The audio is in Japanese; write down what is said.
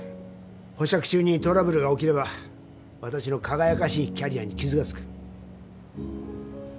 保釈中にトラブルが起きれば私の輝かしいキャリアに傷が付く。